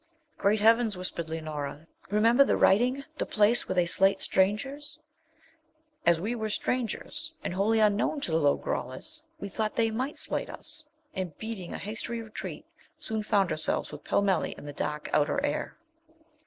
'Great heavens!' whispered Leonora, 'remember the writing; the place where they slate strangers!' As we were strangers, and wholly unknown to the Lo grollas, we thought they might slate us, and, beating a hasty retreat, soon found ourselves with Pellmelli in the dark outer air.